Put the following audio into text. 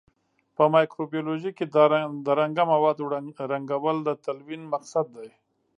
په مایکروبیولوژي کې د رنګه موادو رنګول د تلوین مقصد دی.